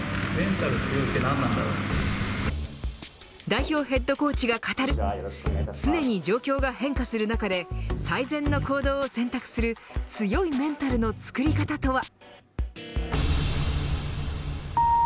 代表ヘッドコーチが語る常に状況が変化する中で最善の行動を選択する強いメンタルのつくり方とは。